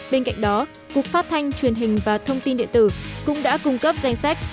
bên cạnh đó cục phát thanh truyền hình và thông tin điện tử cũng đã cung cấp danh sách